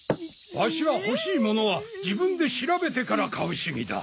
ワシは欲しいものは自分で調べてから買う主義だ。